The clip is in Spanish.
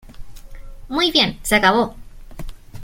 ¡ Muy bien, se acabó!